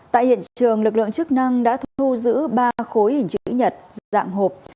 tại hiện trường lực lượng chức năng đã thu giữ ba khối hình chữ nhật dạng hộp